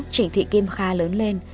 trình thị kim kha lớn lên